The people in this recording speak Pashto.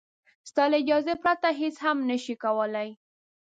ستا له اجازې پرته هېڅ هم نه شي کولای.